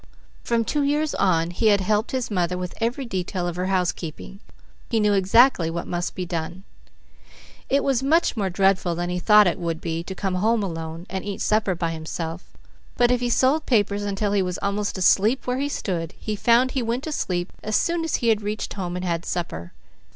From two years on, he had helped his mother with every detail of her housekeeping; he knew exactly what must be done. It was much more dreadful than he thought it would be to come home alone, and eat supper by himself, but if he sold papers until he was almost asleep where he stood, he found he went to sleep as soon as he reached home and had supper.